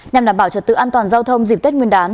nhằm đảm bảo trật tự an toàn giao thông dịp tết nguyên đán